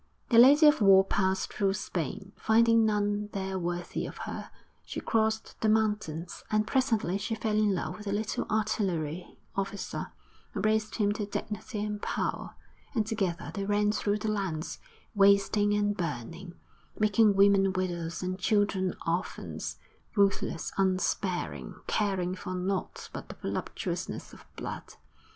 The Lady of War passed through Spain, finding none there worthy of her. She crossed the mountains, and presently she fell in love with a little artillery officer, and raised him to dignity and power; and together they ran through the lands, wasting and burning, making women widows and children orphans, ruthless, unsparing, caring for naught but the voluptuousness of blood.